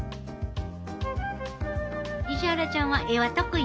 石原ちゃんは絵は得意なん？